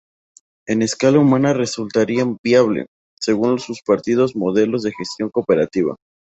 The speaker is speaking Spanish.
En escala humana resultarían viable, según sus partidarios, modelos de gestión cooperativa.